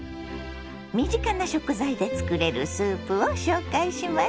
身近な食材で作れるスープを紹介します。